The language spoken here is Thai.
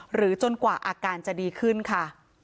จนกว่าอาการจะดีขึ้นค่ะ